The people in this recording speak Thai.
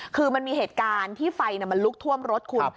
คือมันมีเหตุการณ์ที่ไฟมันลุกท่วมรถคุณ